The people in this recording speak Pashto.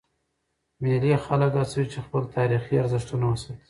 مېلې خلک هڅوي، چي خپل تاریخي ارزښتونه وساتي.